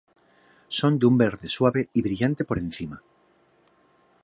Son de un verde suave y brillante por encima.